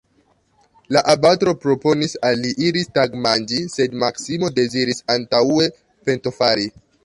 La abato proponis al li iri tagmanĝi, sed Maksimo deziris antaŭe pentofari.